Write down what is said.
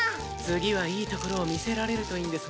次はいいところを見せられるといいんですが。